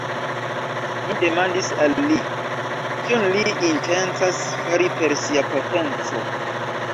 Ni demandis al li, kion li intencas fari per sia potenco.